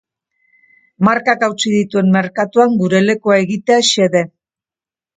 Markak hautsi dituen merkatuan gure lekua egitea xede.